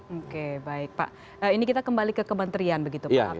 oke baik pak ini kita kembali ke kementerian begitu pak